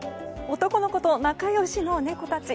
男の子と仲良しの猫たち。